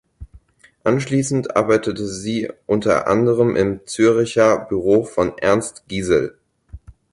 Anschließend arbeitete sie unter anderem im Zürcher Büro von Ernst Gisel.